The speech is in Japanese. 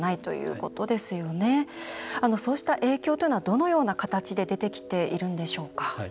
こうした影響はどのような形で出てきているでしょうか。